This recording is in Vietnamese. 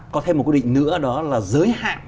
có thêm một quy định nữa đó là giới hạn